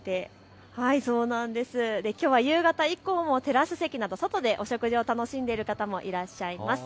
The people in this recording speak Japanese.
きょうは夕方以降もテラス席など外でお食事を楽しんでいる方もいらっしゃいます。